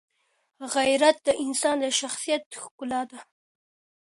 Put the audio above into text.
غیرت د انسان د شخصیت ښکلا ده.